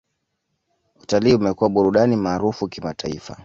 Utalii umekuwa burudani maarufu kimataifa.